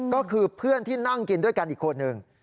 ก็คือเพื่อนที่นั่งกินด้วยกันอีกคนนึง